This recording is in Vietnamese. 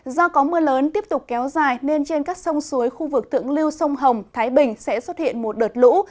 do có mưa lớn tiếp tục kéo dài nên trên các sông suối khu vực thượng lưu sông hồng thái bình sẽ xuất hiện một đợt lũ